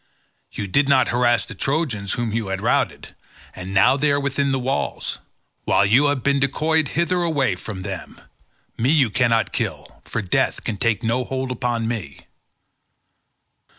You did not harass the Trojans whom you had routed, and now they are within their walls, while you have been decoyed hither away from them. Me you cannot kill, for death can take no hold upon me."